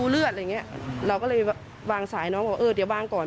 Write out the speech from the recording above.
เราก็เลยวางสายน้องเออเดี๋ยววางก่อน